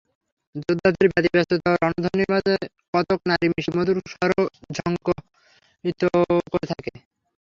যোদ্ধাদের ব্যতিব্যস্ততা ও রণধ্বনির মাঝে কতক নারীর মিষ্টি-মধুর স্বরও ঝংকৃত হতে থাকে।